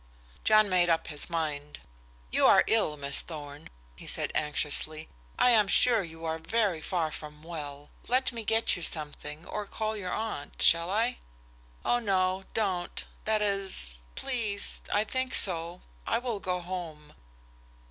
John made up his mind. "You are ill, Miss Thorn," he said anxiously. "I am sure you are very far from well. Let me get you something, or call your aunt. Shall I?" "Oh no don't that is please, I think so. I will go home."